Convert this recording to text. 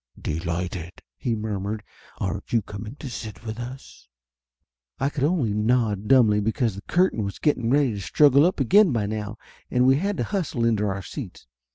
"Delighted !" he murmured. "Aren't you coming to sit with us?" I could only nod dumbly, because the curtain was 20 Laughter Limited getting ready to struggle up again by now, and we had to hustle into our seats.